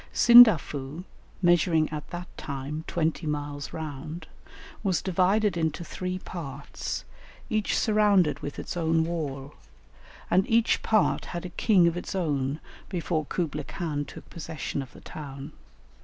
Sindafu, measuring at that time twenty miles round, was divided into three parts, each surrounded with its own wall, and each part had a king of its own before Kublaï Khan took possession of the town.